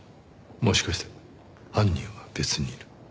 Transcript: もしかして犯人は別にいる。